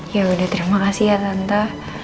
ya udah terima kasih ya tante